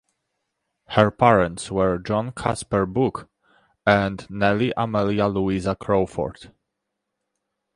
Her parents were John Casper Buch and Nellie Amelia Louisa Crawford.